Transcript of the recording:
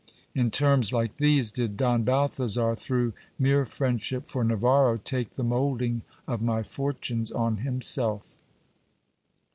In terms like these did Don Balthasar, through mere friend ship for Navarro, take the moulding of my fortunes on himself.